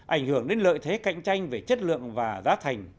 ảnh hưởng đến lợi thế cạnh tranh về chất lượng và giá thành